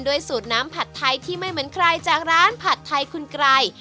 สูตรน้ำผัดไทยที่ไม่เหมือนใครจากร้านผัดไทยคุณไกร